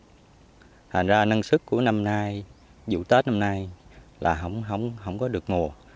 thành ra năng suất của năm nay dụ tết năm nay là không có được ngồ